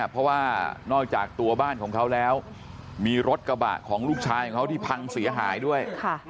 เพราะว่านอกจากตัวบ้านของเขาแล้วมีรถกระบะของลูกชายของเขาที่พังเสียหายด้วย